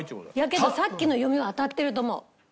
けどさっきの読みは当たってると思う。